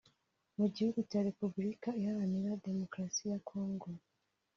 Mu gihugu cya Repubulika iharanira Demokarasi ya Kongo